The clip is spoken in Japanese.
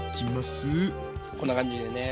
こんな感じでね。